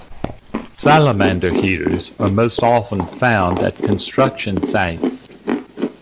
Salamander heaters are most often found at construction sites.